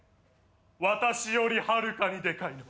私よりはるかにでかいの。